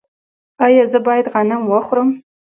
ایا زه باید غنم وخورم؟